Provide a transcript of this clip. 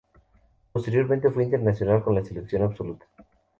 Posteriormente fue internacional con la selección absoluta.